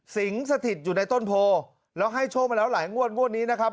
สถิตอยู่ในต้นโพแล้วให้โชคมาแล้วหลายงวดงวดนี้นะครับ